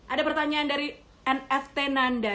ada pertanyaan dari nft nanda